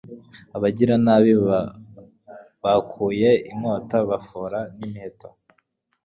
Abagiranabi bakuye inkota bafora n’imiheto